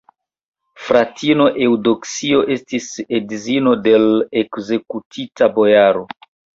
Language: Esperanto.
Fratino Eŭdoksio estis edzino de l' ekzekutita bojaro.